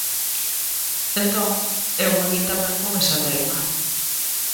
Entón, eu volvín tamén con esa teima.